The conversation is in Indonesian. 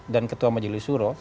dan ketua majelis suro